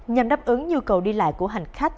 nhằm đáp ứng nhu cầu đi lại của hành khách